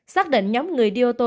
xác định nhóm người đi ô tô